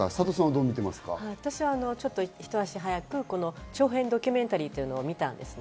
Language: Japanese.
私は一足早くこの長編ドキュメンタリーをみました。